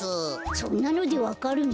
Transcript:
そんなのでわかるの？